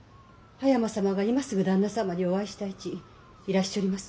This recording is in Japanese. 葉山様が今すぐ旦那様にお会いしたいちいらしちょります。